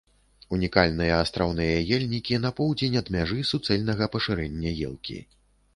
Унікальныя астраўныя ельнікі на поўдзень ад мяжы суцэльнага пашырэння елкі.